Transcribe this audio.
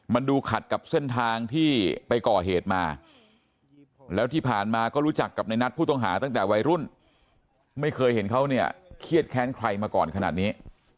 มันดูขัดกับเส้นทางที่ไปก่อเหตุมาแล้วที่ผ่านมาก็รู้จักกับในนัดผู้ต้องหาตั้งแต่วัยรุ่นไม่เคยเห็นเขาเนี่ยเครียดแค้นใครมาก่อนขนาดนี้